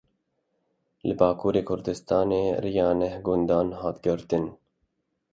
Li Bakurê Kurdistanê rêya neh gundan hat girtin.